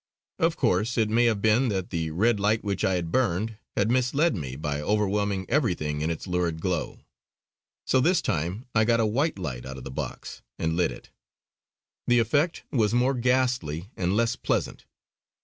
Of course it may have been that the red light which I had burned had misled me by overwhelming everything in its lurid glow. So this time I got a white light out of the box and lit it. The effect was more ghastly and less pleasant.